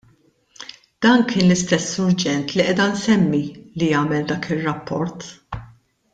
Dan kien l-istess surġent li qiegħda nsemmi li għamel dak ir-rapport.